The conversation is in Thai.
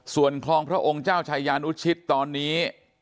ส่วนคลองพระองค์เจ้าชายานุชิตตอนนี้